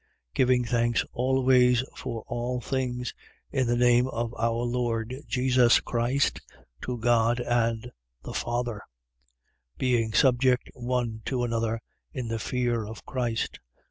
Giving thanks always for all things, in the name of our Lord Jesus Christ, to God and the Father: 5:21. Being subject one to another, in the fear of Christ.